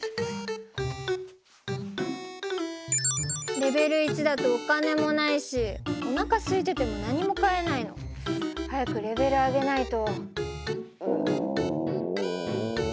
レベル１だとお金もないしおなかすいてても何も買えないの。早くレベル上げないと。